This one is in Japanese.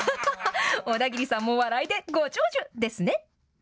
小田切さんも笑いでご長寿ですね。